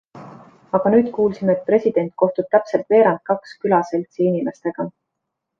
Aga nüüd kuulsime, et president kohtub täpselt veerand kaks külaseltsi inimestega.